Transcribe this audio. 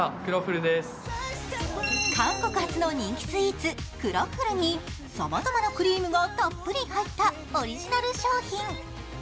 韓国発の人気スイーツ、クロッフルにさまざまなクリームがたっぷり入ったオリジナル商品。